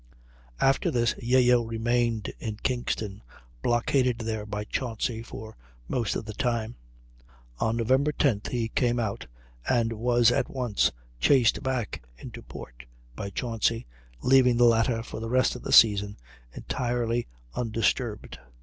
After this Yeo remained in Kingston, blockaded there by Chauncy for most of the time; on Nov. 10th he came out and was at once chased back into port by Chauncy, leaving the latter for the rest of the season entirely undisturbed.